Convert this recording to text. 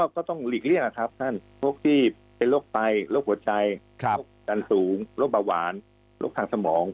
ก็ต้องหลีกเลี่ยงครับท่านพวกที่เป็นโรคไตโรคหัวใจโรคดันสูงโรคเบาหวานโรคทางสมอง